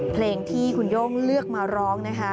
เพลงที่คุณโย่งเลือกมาร้องนะคะ